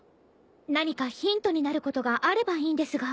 何かヒントになることがあればいいんですが。